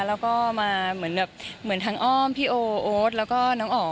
แล้วก็มาเหมือนทางอ้อมพี่โอ๊ดแล้วก็น้องอ๋อ